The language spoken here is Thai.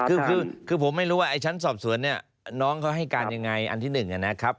คือผมไม่รู้ว่าไอ้ชั้นสอบสวนเนี่ยน้องเขาให้การยังไงอันที่หนึ่งนะครับ